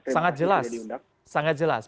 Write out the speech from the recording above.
sangat jelas sangat jelas